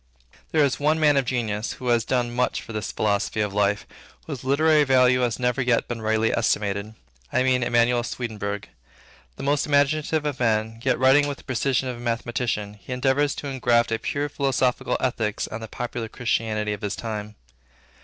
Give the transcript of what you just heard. There is one man of genius, who has done much for this philosophy of life, whose literary value has never yet been rightly estimated; I mean Emanuel Swedenborg. The most imaginative of men, yet writing with the precision of a mathematician, he endeavored to engraft a purely philosophical Ethics on the popular Christianity of his time.